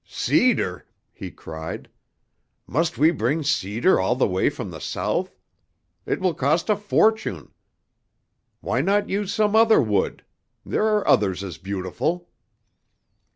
"Cedar!" he cried, "Must we bring cedar all the way from the South? It will cost a fortune. Why not use some other wood? There are others as beautiful."